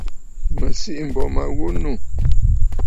Mə̀ sìʼî m̀bô ma ghu nû.